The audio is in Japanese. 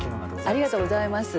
ありがとうございます。